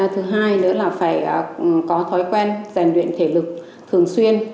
thứ hai nữa là phải có thói quen rèn luyện thể lực thường xuyên